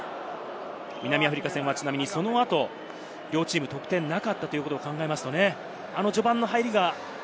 南アフリカ戦は、ちなみにその後、両チーム得点なかったということを考えますとね、そうですね。